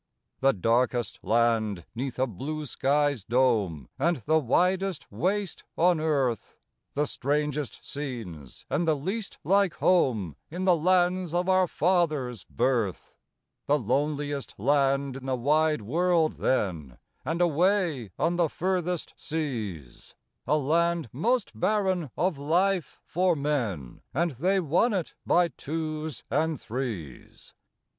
The darkest land 'neath a blue sky's dome, And the widest waste on earth; The strangest scenes and the least like home In the lands of our fathers' birth; The loneliest land in the wide world then, And away on the furthest seas, A land most barren of life for men And they won it by twos and threes!